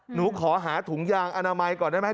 หนูขอหาถุงยางอนามัยก่อนได้ไหม